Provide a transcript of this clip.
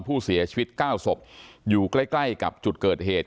ผู้เสียชีวิต๙ศพอยู่ใกล้ใกล้กับจุดเกิดเหตุ